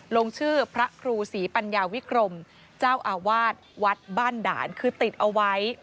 ลงชื่อพระครูศรีปัญญาวิกรมเจ้าอาวาสวัดบ้านด่านคือติดเอาไว้